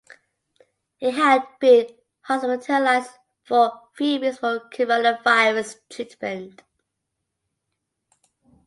He had been hospitalized for three weeks for coronavirus treatment.